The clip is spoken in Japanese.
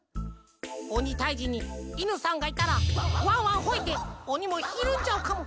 おにたいじにイヌさんがいたらワンワンほえておにもひるんじゃうかも。